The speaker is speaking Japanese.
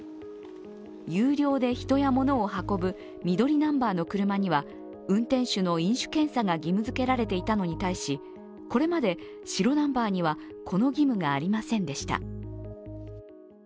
有料で人や物を運ぶ緑ナンバーの車には運転手の飲酒検査が義務付けられていたのに対し、これまで白ナンバーには、この義務がありませんでした。